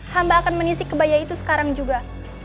hamba akan menisi kebaya itu sekarang juga